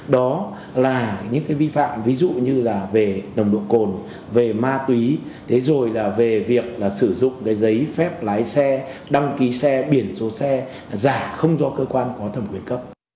đó là những cái vi phạm ví dụ như là về nồng độ cồn về ma túy rồi là về việc là sử dụng cái giấy phép lái xe đăng ký xe biển số xe giả không do cơ quan có thẩm quyền cấp